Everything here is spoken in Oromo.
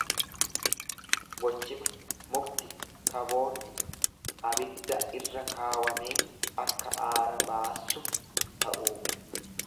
Gochima mukti. kaboonni.. .abidda irra kaawwamee akka aara baassu ta'uu.